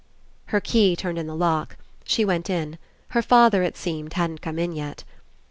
Her key turned In the lock. She went in. Her father, it seemed, hadn't come in yet.